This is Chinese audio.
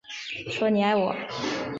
说你爱我